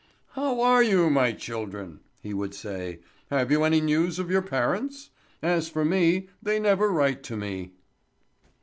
"How are you, my children?" he would say. "Have you any news of your parents? As for me, they never write to me."